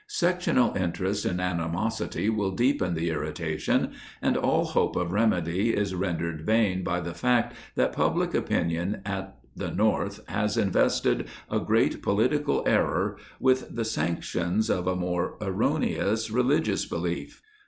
Sectional interest and animosity will deepen the irrita tion, and all hope of remedy is rendered vain, by the faot that public opinion at the North has invested a great politi cal error with the sanctions of a more erroneous religious belief.